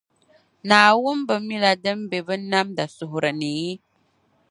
Naawuni bi mila din be binnamda suhiri ni?